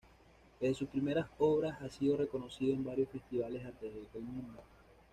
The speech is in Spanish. Desde sus primeras obras, ha sido reconocido en varios festivales alrededor del mundo.